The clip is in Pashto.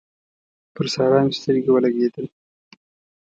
پر سارا مې سترګې ولګېدل